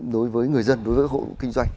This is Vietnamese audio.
đối với người dân đối với hộ kinh doanh